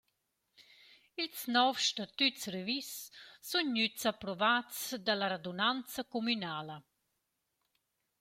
Ils nouvs statüts revis sun gnüts approvats da la radunanza cumünala.